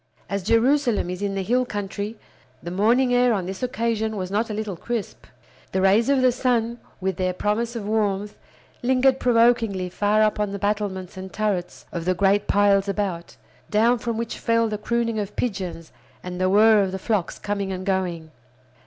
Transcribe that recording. As Jerusalem is in the hill country, the morning air on this occasion was not a little crisp. The rays of the sun, with their promise of warmth, lingered provokingly far up on the battlements and turrets of the great piles about, down from which fell the crooning of pigeons and the whir of the flocks coming and going.